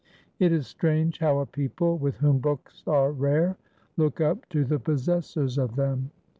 It is strange how a people with whom books are rare look up to the possessors of them.